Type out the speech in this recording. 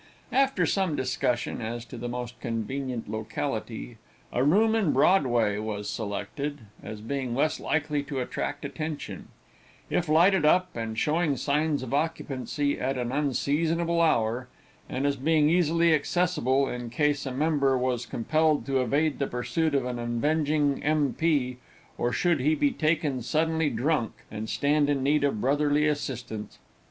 After some discussion as to the most convenient locality, a room in Broadway was selected, as being less likely to attract attention if lighted up and showing signs of occupancy at an unseasonable hour; and as being easily accessible in case a member was compelled to evade the pursuit of an avenging M.P.; or should he be taken suddenly drunk, and stand in need of brotherly assistance.